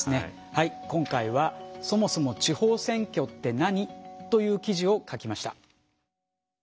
はい今回は「そもそも地方選挙って何？」という記事を書きました。